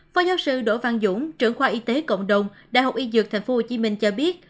phó giáo sư đỗ văn dũng trưởng khoa y tế cộng đồng đại học y dược tp hcm cho biết